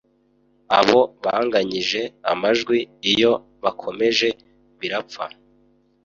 abo banganyije amajwi iyo bakomeje birapfa